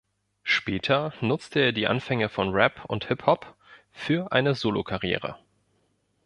Später nutzte er die Anfänge von Rap und Hip-Hop für eine Solokarriere.